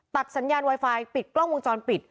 สัญญาณไวไฟปิดกล้องวงจรปิด